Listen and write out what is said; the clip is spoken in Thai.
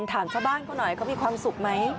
ถามช่าบ้านก็หน่อยพวกเขามีความสุขไหม